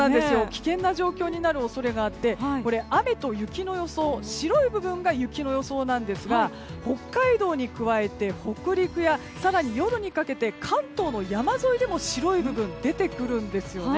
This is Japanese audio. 危険な状況になる恐れがあって雨と雪の予想白い部分が雪の予想ですが北海道に加えて北陸や夜にかけては関東山沿いでも白い部分が出てくるんです。